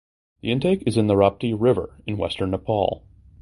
The intake is in the Rapti river in western Nepal.